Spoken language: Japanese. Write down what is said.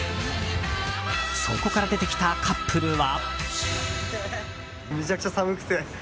そこから出てきたカップルは。